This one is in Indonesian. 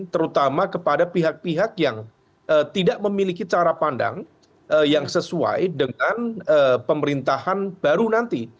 terutama kepada pihak pihak yang tidak memiliki cara pandang yang sesuai dengan pemerintahan baru nanti